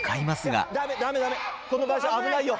この場所危ないよ。